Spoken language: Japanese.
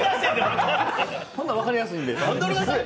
そんならわかりやすいんで。